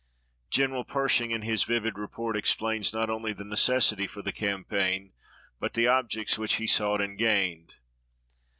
General Pershing in his vivid report explains not only the necessity for the campaign but the objects which he sought and gained.